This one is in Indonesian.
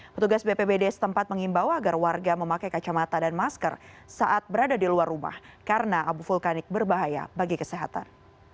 petugas bpbd setempat mengimbau agar warga memakai kacamata dan masker saat berada di luar rumah karena abu vulkanik berbahaya bagi kesehatan